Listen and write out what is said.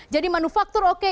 jadi manufaktur oke